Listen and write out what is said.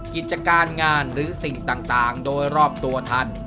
กิจการงานหรือสิ่งต่างโดยรอบตัวท่าน